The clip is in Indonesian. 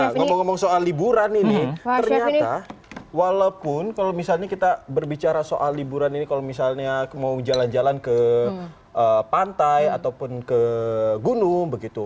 nah ngomong ngomong soal liburan ini ternyata walaupun kalau misalnya kita berbicara soal liburan ini kalau misalnya mau jalan jalan ke pantai ataupun ke gunung begitu